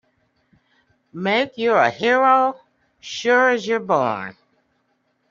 Make you're a hero sure as you're born!